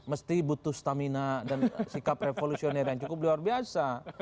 mesti butuh stamina dan sikap revolusioner yang cukup luar biasa